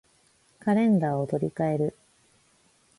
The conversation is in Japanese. カレンダーを取り換える